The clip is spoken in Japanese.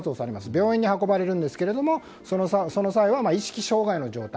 病院に運ばれるんですけれどもその際は意識障害の状態。